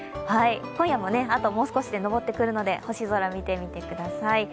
今夜もあともう少しで昇ってくるので星空、見てください。